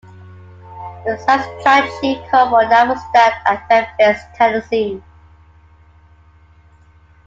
The South's strategy called for a naval stand at Memphis, Tennessee.